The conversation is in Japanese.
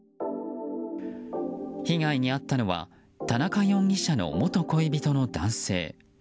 被害に遭ったのは田中容疑者の元恋人の男性。